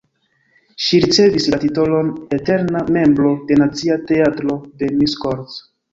Ŝi ricevis la titolon eterna membro de Nacia Teatro de Miskolc.